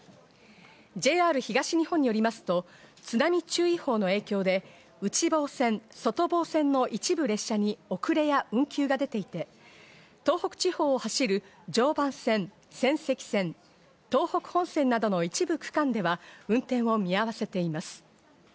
ＪＲ東日本によりますと、津波注意報の影響で内房線・外房線の一部列車に、遅れや運休が出ていて、東北地方を走る常磐線、仙石線、東北本線などの一部区間では、運転を見合わせています。